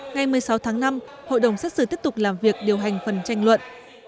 ngày một mươi sáu tháng năm hội đồng xét xử tiếp tục làm việc điều hành phần tranh luận